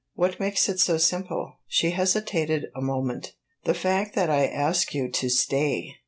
"What makes it so simple?" She hesitated a moment. "The fact that I ask you to stay."